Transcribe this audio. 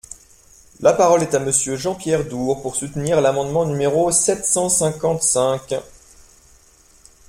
La parole est à Monsieur Jean-Pierre Door, pour soutenir l’amendement numéro sept cent cinquante-cinq.